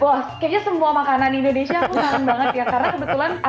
wah kayaknya semua makanan indonesia aku kangen banget ya